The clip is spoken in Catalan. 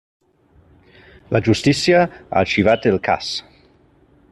La justícia ha arxivat el cas.